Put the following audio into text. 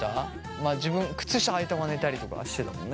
まあ自分くつ下はいたまま寝たりとかはしてたもんね。